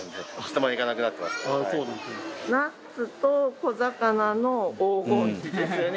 ナッツと小魚の黄金比ですよね